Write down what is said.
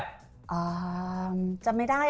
อ่าจำไม่ได้อะ